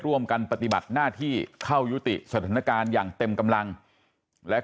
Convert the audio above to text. ปฏิบัติหน้าที่เข้ายุติสถานการณ์อย่างเต็มกำลังและ